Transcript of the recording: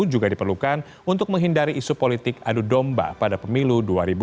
juga diperlukan untuk menghindari isu politik adu domba pada pemilu dua ribu dua puluh